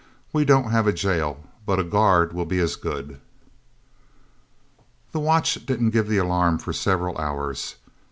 "We don't have a jail, but a guard will be as good..." The watch didn't give the alarm for several hours.